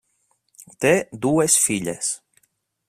Té dues filles.